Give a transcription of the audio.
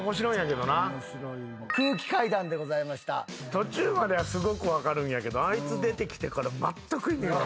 途中まではすごく分かるんやけどあいつ出てきてから。